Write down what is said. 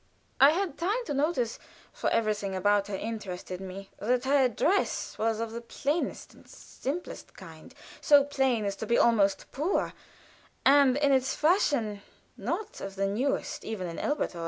I had time to notice (for everything about her interested me) that her dress was of the very plainest and simplest kind, so plain as to be almost poor, and in its fashion not of the newest, even in Elberthal.